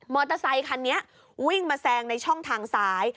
อเตอร์ไซคันนี้วิ่งมาแซงในช่องทางซ้าย